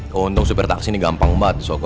keuntung super taksi ini gampang banget sokok